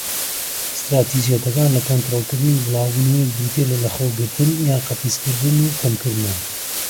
ستراتیجیەتەکان لە کۆنترۆڵکردنی بڵاوبوونەوەیەک بریتیە لە لەخۆگرتن یان قەتیسکردن، و کەمکردنەوە.